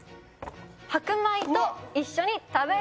白米と一緒に食べる。